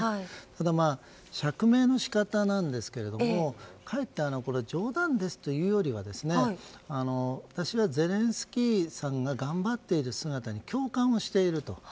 ただ、釈明の仕方なんですけれどもかえって、冗談ですというよりは私はゼレンスキーさんが頑張っている姿に共感をしていると。